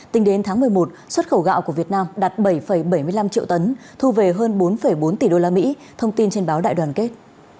tính đến tháng một mươi một xuất khẩu gạo của việt nam đạt bảy bảy mươi năm triệu tấn thu về hơn bốn bốn tỷ usd thông tin trên báo đại đoàn kết